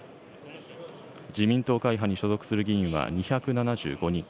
自民党会派に所属する議員は２７５人。